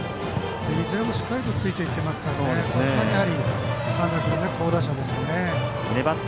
いずれも、しっかりとついていってますからさすがに、半田君好打者ですよね。